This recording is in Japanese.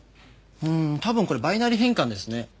うーん多分これバイナリ変換ですね。